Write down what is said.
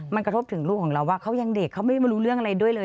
มันกระทบถึงลูกของเราว่าเขายังเด็กเขาไม่รู้เรื่องอะไรด้วยเลย